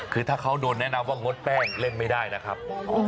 คือถ้าเขาโดนแนะนำว่างดแป้งเล่นไม่ได้นะครับ